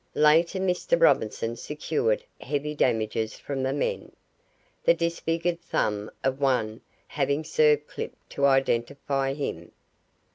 Later Mr. Robinson secured heavy damages from the men, the disfigured thumb of one having served Clip to identify him.